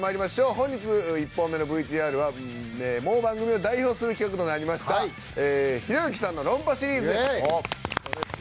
本日、１本目のＶＴＲは番組を代表する企画となりましたひろゆきさんの論破シリーズです。